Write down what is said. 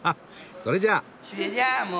それじゃ。